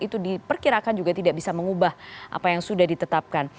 itu diperkirakan juga tidak bisa mengubah apa yang sudah ditetapkan